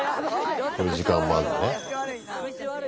こういう時間もあるんだね。